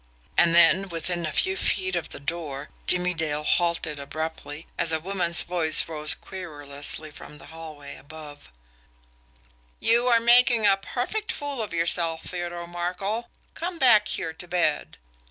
And then, within a few feet of the door, Jimmie Dale halted abruptly, as a woman's voice rose querulously from the hallway above: "You are making a perfect fool of yourself, Theodore Markel! Come back here to bed!"